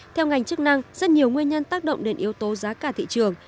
theo ngành chức năng rất nhiều nguyên nhân tác động đến yếu tố giá cả thị trường